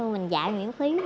mình dạy miễn phí